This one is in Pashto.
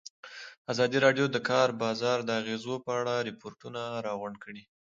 ازادي راډیو د د کار بازار د اغېزو په اړه ریپوټونه راغونډ کړي.